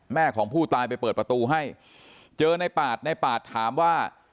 แม่ของผู้ตายไปเปิดประตูให้เจอในปาดในปาดถามว่า